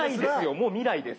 もう未来です。